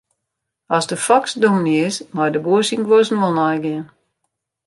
As de foks dominy is, mei de boer syn guozzen wol neigean.